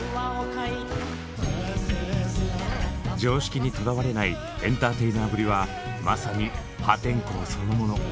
常識にとらわれないエンターテイナーぶりはまさに破天荒そのもの。